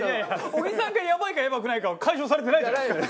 小木さんがやばいかやばくないかは解消されてないじゃないですか。